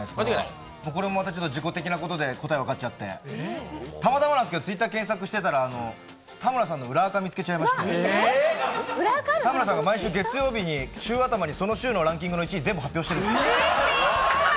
これも事故的なことで答え分かっちゃって、たまたまなんですけど、Ｔｗｉｔｔｅｒを検索していたら田村さんの裏アカを見つけちゃいまして田村さんが毎週月曜日に、週頭にその週のランキング全部発表してるんです。